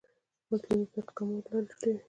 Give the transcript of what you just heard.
مظلوم د درد کمولو لارې لټوي.